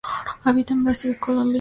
Habita en Brasil, Colombia y Venezuela.